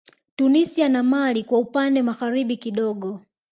Tunisia na mali kwa upande magharibi kidogo